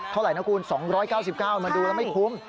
เท่าไหร่นะคุณ๒๙๙มันดูแล้วไม่คุ้ม